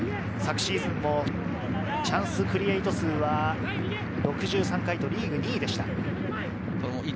昨シーズンもチャンスクリエイト数は６３回とリーグ２位でした。